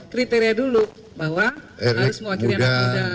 kriteria dulu bahwa harus mewakili anak muda